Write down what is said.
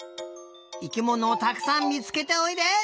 生きものをたくさんみつけておいで！